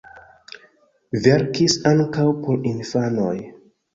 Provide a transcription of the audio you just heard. Verkis ankaŭ por infanoj.